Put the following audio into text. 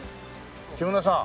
木村さん。